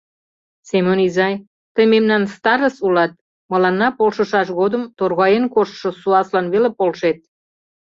Семон изай, тый мемнан старыс улат, мыланна полшышаш годым торгаен коштшо суаслан веле полшет.